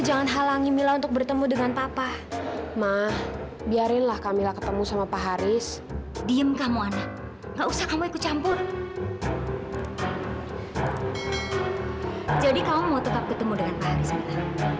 jadi kamu mau tetap ketemu dengan pak haris mila